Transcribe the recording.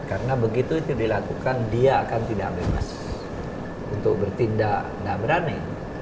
karena begitu itu dilakukan dia akan tidak bebas untuk bertindak tidak berani